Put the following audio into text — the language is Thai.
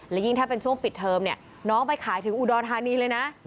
และยิ่งถ้าเป็นช่วงปิดเทอมเนี่ยน้องไปขายถึงอุดรธานีเลยนะ